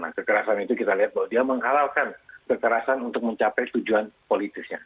nah kekerasan itu kita lihat bahwa dia menghalalkan kekerasan untuk mencapai tujuan politisnya